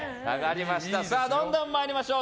どんどん参りましょう。